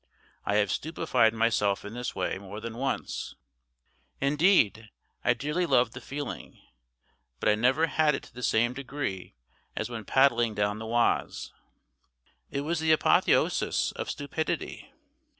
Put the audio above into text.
I have stupefied myself in this way more than once; indeed, I dearly love the feeling; but I never had it to the same degree as when paddling down the Oise. It was the apotheosis of stupidity.